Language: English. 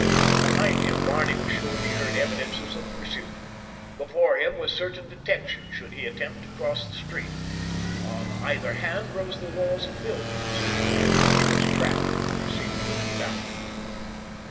Behind him, Barney was sure he heard evidences of pursuit. Before him was certain detection should he attempt to cross the street. On either hand rose the walls of buildings. That he was trapped there seemed little doubt.